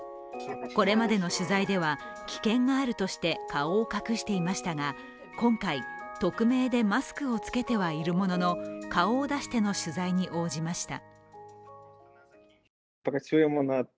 これまでの取材では危険があるとして顔を隠していましたが今回、匿名でマスクを着けてはいるものの顔を出しての取材に応じました。